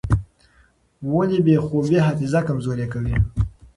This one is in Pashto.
ولې بې خوبي حافظه کمزورې کوي؟